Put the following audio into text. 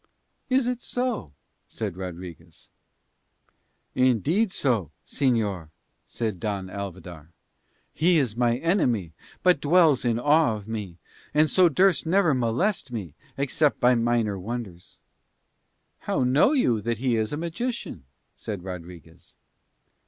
"Is it so?" said Rodriguez. "Indeed so, señor," said Don Alvidar. "He is my enemy but dwells in awe of me, and so durst never molest me except by minor wonders." "How know you that he is a magician?" said Rodriguez.